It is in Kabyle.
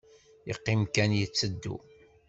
Yeqqim kan yetteddu.